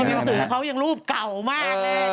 โอ้โฮภิกษุเขายังรูปเก่ามากเลย